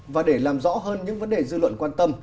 và để làm rõ hơn những vấn đề dư luận quan tâm